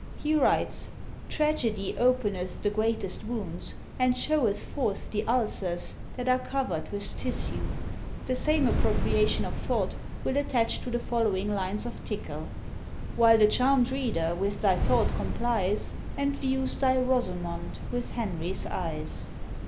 He writes, "Tragedy openeth the greatest wounds, and showeth forth the ulcers that are covered with tissue." The same appropriation of thought will attach to the following lines of Tickell: While the charm'd reader with thy thought complies, And views thy Rosamond with Henry's eyes.